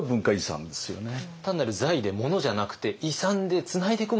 単なる財で物じゃなくて遺産でつないでいくものなんだと。